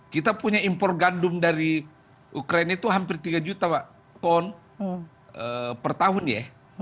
kita punya impor gandum dari ukraina itu hampir tiga juta ton per tahun ya